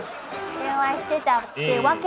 電話してたってわけ。